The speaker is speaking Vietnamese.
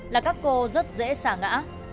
là các cô rất dễ xà ngã